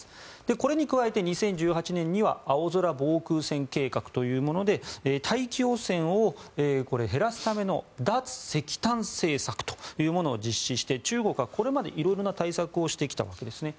これに加えて２０１８年には青空防衛戦計画というもので大気汚染を減らすための脱石炭政策というものを実施して中国はこれまで色々な対策をしてきたわけですね。